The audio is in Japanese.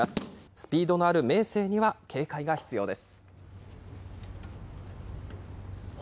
スピードのある明生には警戒が必要です。